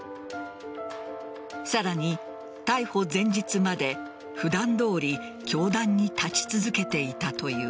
さらに、逮捕前日まで普段どおり教壇に立ち続けていたという。